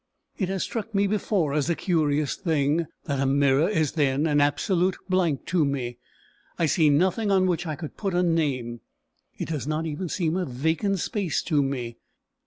It has struck me before as a curious thing, that a mirror is then an absolute blank to me I see nothing on which I could put a name. It does not even seem a vacant space to me.